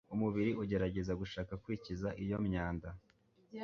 Umubiri ugerageza gushaka kwikiza iyo myanda